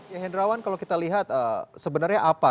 ya hendrawan kalau kita lihat sebenarnya apa